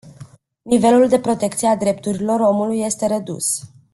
Nivelul de protecție a drepturilor omului este redus.